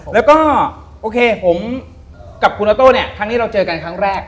แล้วก็โอเคผมกับคุณออโต้เนี่ยครั้งนี้เราเจอกันครั้งแรก